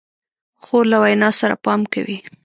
خور له وینا سره پام کوي.